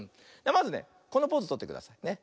まずねこのポーズとってくださいね。